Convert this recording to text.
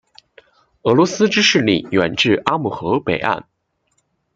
俄罗斯之势力远至阿姆河北岸。